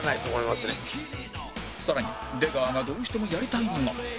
更に出川がどうしてもやりたいのが